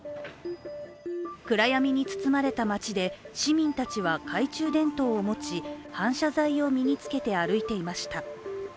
暗闇に包まれた街で市民たちは懐中電灯を持ち反射材を身につけて歩いていました。